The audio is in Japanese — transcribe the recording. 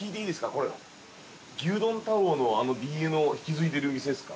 これ、牛丼太郎のあのＤＮＡを引き継いでる店ですか。